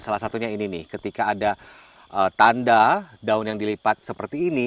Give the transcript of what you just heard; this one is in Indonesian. salah satunya ini nih ketika ada tanda daun yang dilipat seperti ini